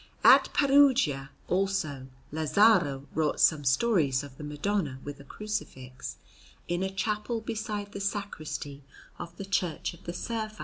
At Perugia, also, Lazzaro wrought some stories of the Madonna, with a Crucifix, in a chapel beside the Sacristy of the Church of the Servi.